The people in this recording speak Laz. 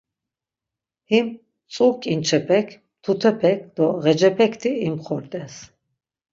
Him mtzu ǩinçepek, mtutepek do ğecepekti imxort̆es.